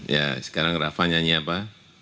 ya sekarang rafa nyanyi apa